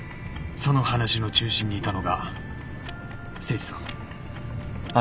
その話の中心にいたのが誠司さんあなたです。